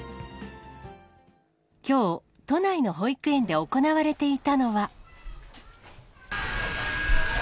きょう、都内の保育園で行われていたのは。